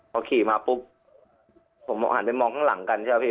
พอขี่มาปุ๊บผมหันไปมองข้างหลังกันใช่ไหมพี่